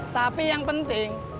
tapi yang penting